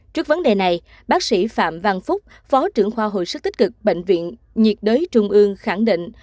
trước vấn đề này bác sĩ phạm văn phúc phó trưởng khoa hồi sức tích cực bệnh viện nhiệt đới trung ương khẳng định